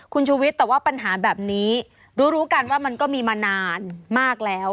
คุณชูวิทย์แต่ว่าปัญหาแบบนี้รู้รู้กันว่ามันก็มีมานานมากแล้ว